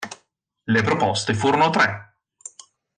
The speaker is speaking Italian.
Le proposte furono tre.